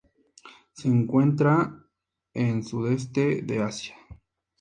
Se encuentra en Sudeste de Asia.